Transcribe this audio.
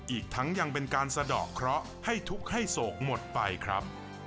อีกทั้งยังเป็นการสะดอกเคราะห์ให้ทุกข์ให้โศกหมดไปครับ